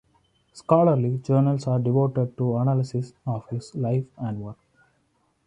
Scholarly journals are devoted to analysis of his life and work.